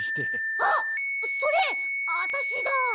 あっそれあたしだ。